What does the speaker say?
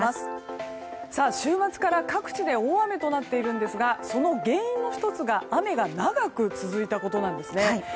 週末から各地で大雨となっているんですがその原因の１つが雨が長く続いたことなんですね。